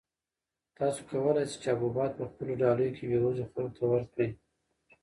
تاسو کولای شئ چې حبوبات په خپلو ډالیو کې بېوزلو خلکو ته ورکړئ.